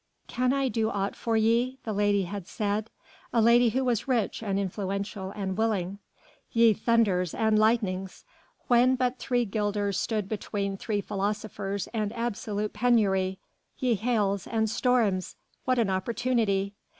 "Can I do aught for ye?" the lady had said: a lady who was rich and influential and willing. Ye thunders and lightnings! when but three guilders stood between three philosophers and absolute penury! Ye hails and storms! what an opportunity!